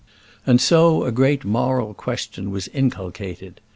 And so a great moral question was inculcated.